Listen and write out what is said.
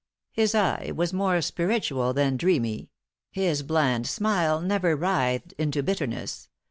His eye was more spiritual than dreamy; his bland smile never writhed into bitterness.